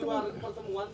terima kasih bapak